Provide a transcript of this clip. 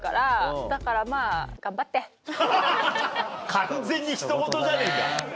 完全に人ごとじゃねえか。